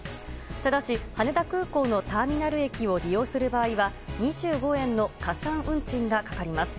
ただし、羽田空港のターミナル駅を利用する場合は２５円の加算運賃がかかります。